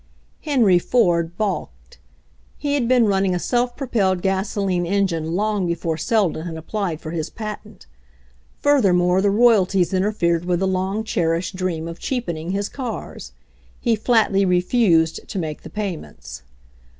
Henry Ford balked. He had been running a self propelled gasoline engine long before Seldon had applied for his patent; furthermore, the royalties interfered with the long cherished dream of cheapening his cars. He flatly refused to make the payments.